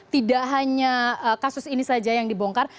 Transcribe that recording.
tidak hanya kasus ini saja yang dibongkar